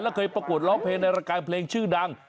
แล้วเคยประกวดร้องเพลงในรายการเพลงชื่อดัง